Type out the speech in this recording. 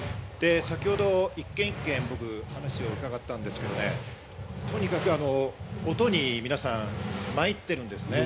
先ほど一軒一軒、僕、話を伺ったんですけどね、とにかく音に皆さんまいっているんですね。